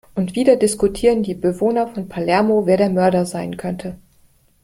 Und wieder diskutieren die Bewohner von Palermo, wer der Mörder sein könnte.